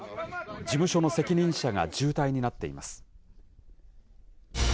事務所の責任者が重体になっています。